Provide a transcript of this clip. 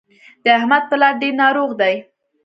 د احمد پلار ډېر ناروغ دی.